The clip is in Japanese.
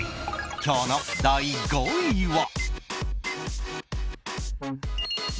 今日の第５位は。